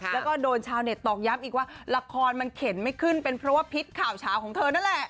แล้วก็โดนชาวเน็ตตอกย้ำอีกว่าละครมันเข็นไม่ขึ้นเป็นเพราะว่าพิษข่าวเช้าของเธอนั่นแหละ